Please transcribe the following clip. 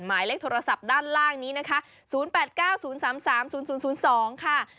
หมายเลขโทรศัพท์ด้านล่างนี้นะคะ๐๘๙๐๓๓๐๐๒ค่ะ